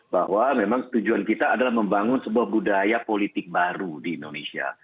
bahwa memang tujuan kita adalah membangun sebuah budaya politik baru di indonesia